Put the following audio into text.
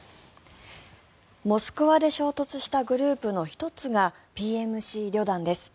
モスクワで衝突したグループの１つがＰＭＣリョダンです。